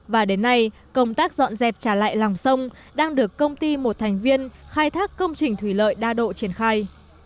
và đến nay công tác dọn dẹp trả lại lòng sông đang được công ty một thành viên khai thác công trình thủy lợi đa độ triển khai